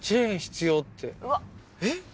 えっ？